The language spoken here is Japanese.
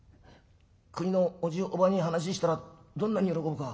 国のおじおばに話したらどんなに喜ぶか。